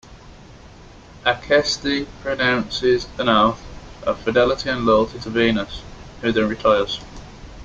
Aceste pronounces an oath of fidelity and loyalty to Venus, who then retires.